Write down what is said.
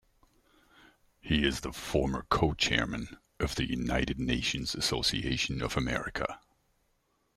He is the former Co-Chairman of the United Nations Association of America.